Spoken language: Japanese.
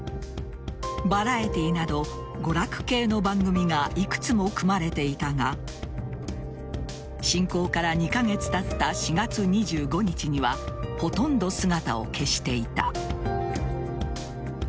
バラエティーなど娯楽系の番組がいくつも組まれていたが侵攻から２カ月たった４月２５日にはほとんど姿を消していた。